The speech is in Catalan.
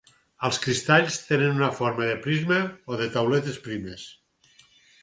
Els cristalls tenen forma de prisma o de tauletes primes.